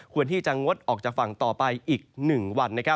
ที่จะงดออกจากฝั่งต่อไปอีก๑วัน